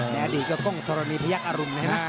ในอดีตก็ก้องธรณีพยักษ์อรุณนะฮะ